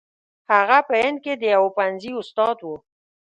هغه په هند کې د یوه پوهنځي استاد وو.